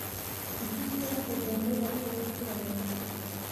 چې شین شال پر ډولۍ اچول شوی و